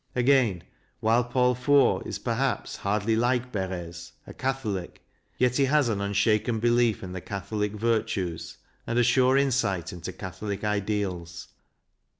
Again, while Paul Fort is perhaps hardly like Barres, a Catholic, yet he has an unshaken belief in the Catholic virtues and a sure insight into Catholic ideals.